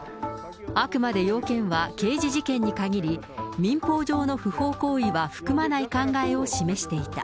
あくまで要件は刑事事件に限り、民法上の不法行為は含まない考えを示していた。